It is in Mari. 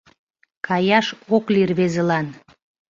Каяш ок лий рвезылан